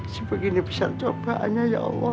sepertinya bisa tukang com ubahnya ya allah